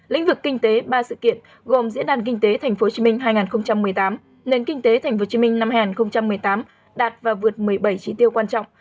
lĩnh vực kinh tế ba sự kiện gồm diễn đàn kinh tế tp hcm hai nghìn một mươi tám nền kinh tế tp hcm năm hai nghìn một mươi tám đạt và vượt một mươi bảy trí tiêu quan trọng